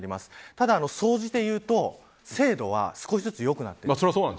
ただ総じて言うと精度は少しずつ良くなっている。